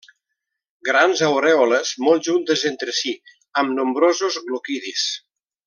Grans arèoles molt juntes entre si, amb nombrosos gloquidis.